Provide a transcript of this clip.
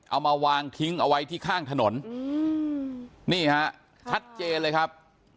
เอามาวางทิ้งเอาไว้ที่ข้างถนนนี่ฮะชัดเจนเลยครับ